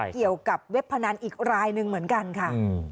เว็บพนันอีกรายหนึ่งเหมือนกันค่ะ